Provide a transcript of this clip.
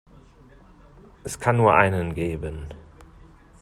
Es kann nur einen geben!